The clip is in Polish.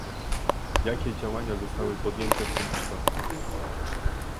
jakie działania zostały podjęte w tym przypadku